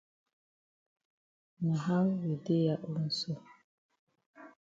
Na how you dey ya own so?